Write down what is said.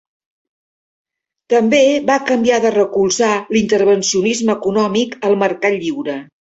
També va canviar de recolzar l'intervencionisme econòmic al mercat lliure.